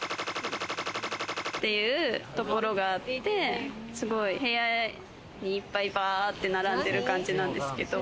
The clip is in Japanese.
っていうところがあって、部屋にバって並んでる感じなんですけど。